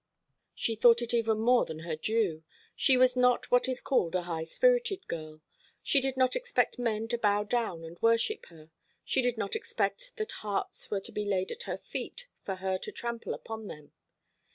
She thought it even more than her due. She was not what is called a high spirited girl. She did not expect men to bow down and worship her; she did not expect that hearts were to be laid at her feet for her to trample upon them.